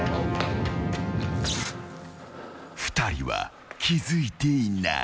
２人は気づいていない。